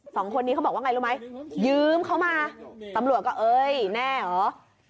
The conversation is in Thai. สองคนนี้เขาบอกว่าไงรู้ไหมยืมเขามาตำรวจก็เอ้ยแน่เหรอ